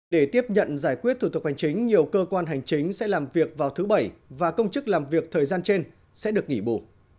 để tiếp nhận giải quyết thủ tục hành chính nhiều cơ quan hành chính sẽ làm việc vào thứ bảy và công chức làm việc thời gian trên sẽ được nghỉ bù